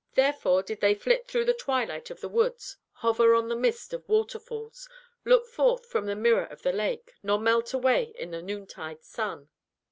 Therefore did they flit through the twilight of the woods, hover on the mist of waterfalls, look forth from the mirror of the lake, nor melt away in the noontide sun.